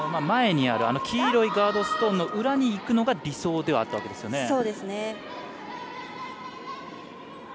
前にある黄色いガードストーンの裏にいくのが理想ではあったわけですね。